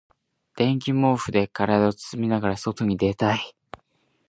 電気毛布で体を包みながら外に出たい。